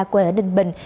quê ở đình bình